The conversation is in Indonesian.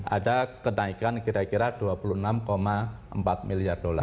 ada kenaikan kira kira dua puluh enam empat miliar